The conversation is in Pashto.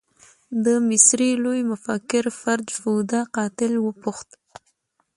د مصري لوی مفکر فرج فوده قاتل وپوښت.